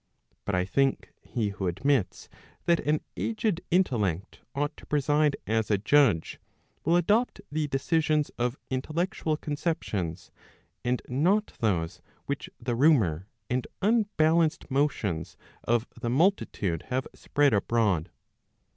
But I think he who admits that an aged intellect ought to preside as a judge, will adopt the decisions of intellectual conceptions, and not those which the rumour and unbalanced motions of the multitude have spread abroad.